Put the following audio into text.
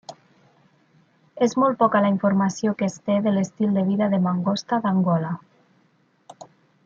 És molt poca la informació que es té de l'estil de vida de mangosta d'Angola.